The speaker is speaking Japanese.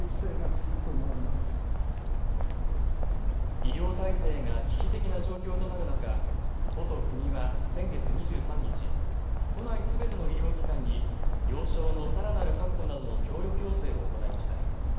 医療体制が危機的な状況となる中、都と国は先月２３日、都内すべての医療機関に病床のさらなる確保などの協力要請を行いました。